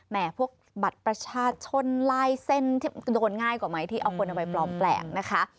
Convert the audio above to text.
พวกบัตรประชาชนลายเส้นโดนง่ายกว่าไหมที่เอาคนเอาไปปลอมแปลงนะคะ